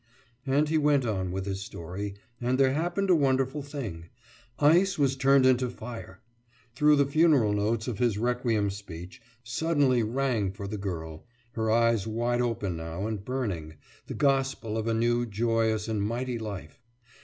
« And he went on with his story, and there happened a wonderful thing. Ice was turned into fire. Through the funeral notes of hi requiem speech, suddenly rang for the girl, her eyes wide open now and burning, the gospel of a new, joyous, and mighty life.